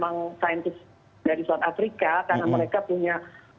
dari south africa karena mereka punya